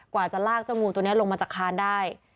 กว่าจะลากเจ้างูตัวนี้ลงมาจากคานได้